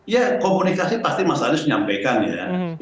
ya komunikasi pasti mas anies menyampaikan ya